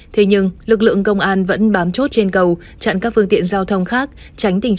thế nhưng lực lượng công an vẫn bám chốt trên cầu chặn các phương tiện giao thông khác